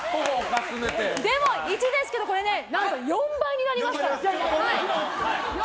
でも１ですけど何と４倍になりますから。